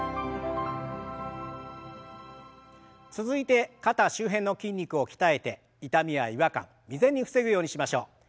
続いて肩周辺の筋肉を鍛えて痛みや違和感未然に防ぐようにしましょう。